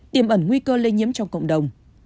điểm ẩn nguy cơ lây nhiễm trong cộng đồng